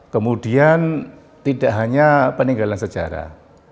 kemudian tidak hanya peninggalan sejarah